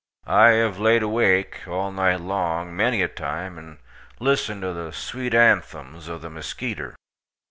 I hav lade awake, all nite long, menny a time and listened to the sweet anthems ov the muskeeter.